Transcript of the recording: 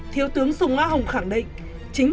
thiếu tướng sùng nga hồng khẳng định